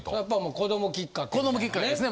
子どもきっかけですね